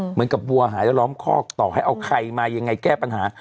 วัวหายแล้วล้อมคอกต่อให้เอาใครมายังไงแก้ปัญหา